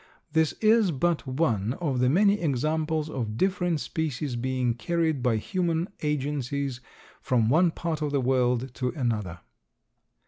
This is but one of the many examples of different species being carried by human agencies from one part of the world to another.